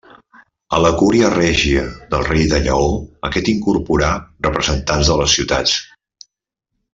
A la cúria règia del rei de Lleó, aquest hi incorporà representants de les ciutats.